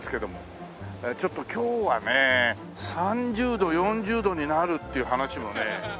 ちょっと今日はね３０度４０度になるっていう話もね。